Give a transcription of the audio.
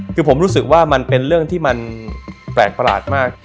คือผมรู้สึกว่ามันเป็นเรื่องที่มันแปลกประหลาดมาก